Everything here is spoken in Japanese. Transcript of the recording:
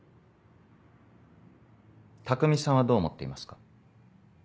匠さんはどう思っていますか？